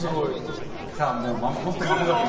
本当にまもなく。